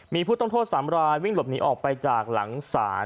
มีผู้ต้องโทษ๓รายวิ่งหลบหนีออกไปจากหลังศาล